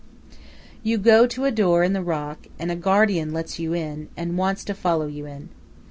You go to a door in the rock, and a guardian lets you in, and wants to follow you in.